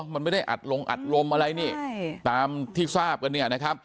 มันไม่ได้อัดลงอัดลมอะไรนี่ตามที่ทราบกันเนี่ยนะครับ